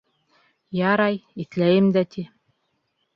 Ярай, иҫләйем дә ти.